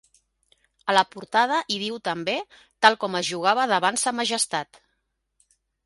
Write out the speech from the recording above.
A la portada hi diu també: Tal com es jugava davant sa Majestat.